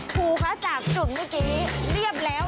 ครูคะจากจุดเมื่อกี้เรียบแล้ว